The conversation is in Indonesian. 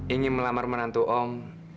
ingin melamar menantu om